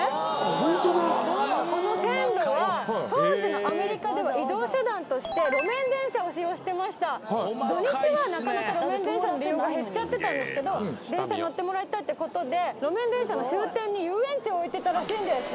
ホントだこの線路は当時のアメリカでは移動手段として路面電車を使用してました土日はなかなか路面電車の利用が減っちゃってたんですけど電車乗ってもらいたいってことで路面電車の終点に遊園地を置いてたらしいんです